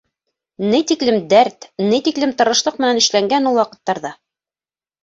Ни тиклем дәрт, ни тиклем тырышлыҡ менән эшләнгән ул ваҡыттарҙа...